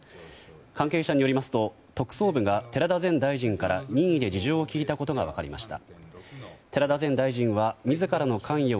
関係者によりますと特捜部が寺田前大臣から任意で事情を聴いたことが分かりました。